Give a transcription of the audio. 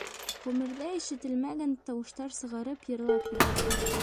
Ғүмерҙә ишетелмәгән тауыштар сығарып, йырлап ебәрҙе.